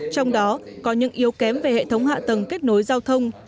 trong đó có những yếu kém về hệ thống hạ tầng kết nối giao thông